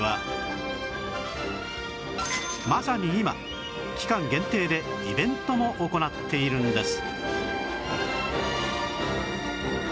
まさに今期間限定でイベントも行っているんです